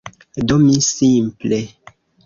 Do mi simple…